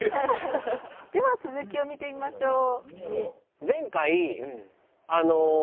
では続きを見てみましょう。